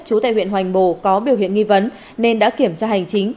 trú tại huyện hoành bồ có biểu hiện nghi vấn nên đã kiểm tra hành chính